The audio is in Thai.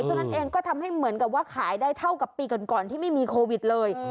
เท่านั้นเองก็ทำให้เหมือนกับว่าขายได้เท่ากับปีก่อนที่ไม่มีโควิดเลย